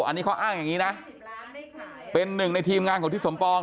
อันนี้เขาอ้างอย่างนี้นะเป็นหนึ่งในทีมงานของทิศสมปอง